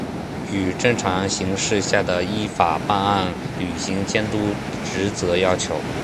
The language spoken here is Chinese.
与正常形势下的依法办案、履行监督职责要求